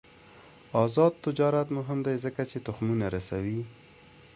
آزاد تجارت مهم دی ځکه چې تخمونه رسوي.